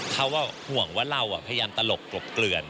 เขาห่วงว่าเราพยายามตลกกลบเกลื่อน